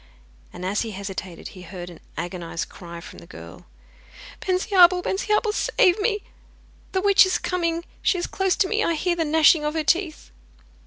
And as he hesitated he heard an agonised cry from the girl: 'Bensiabel, Bensiabel, save me! The witch is coming, she is close to me, I hear the gnashing of her teeth!